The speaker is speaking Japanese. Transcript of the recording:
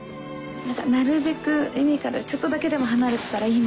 なるべく海からちょっとだけでも離れてたらいいなと。